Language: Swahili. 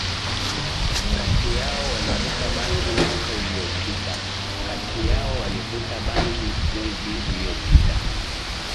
kati yao walivuta bangi mwaka uliopita kati yao walivuta bangi mwezi uliopita